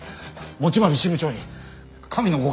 持丸支部長に神のご加護を！